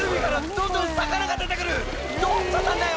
・・どうしちゃったんだよ！